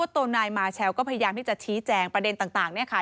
ตัวนายมาเชลก็พยายามที่จะชี้แจงประเด็นต่างเนี่ยค่ะ